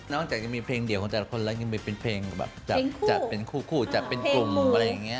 นอกจากยังมีเพลงเดียวของแต่ละคนยังไม่เป็นเครือน่ะจะเป็นคู่จะเป็นกลุ่มอะไรอย่างเงี้ย